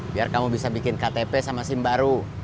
biar kamu bisa bikin ktp sama sim baru